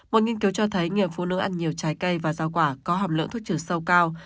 một nghiên cứu cho thấy người phụ nữ ăn nhiều trái cây và rau quả có hàm lượng thuốc trừ sâu cao